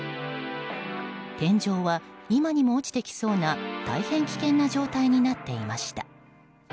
天井は今にも落ちてきそうな大変危険な状態になっていました。